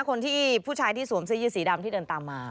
คนที่ผู้ชายที่สวมเสื้อยืดสีดำที่เดินตามมา